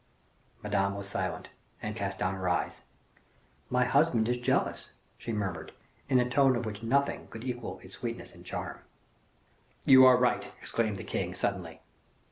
Madame was silent, and cast down her eyes. "My husband is jealous," she murmured, in a tone of which nothing could equal its sweetness and charm. "You are right," exclaimed the king, suddenly.